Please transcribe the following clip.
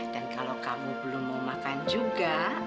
dan kalau kamu belum mau makan juga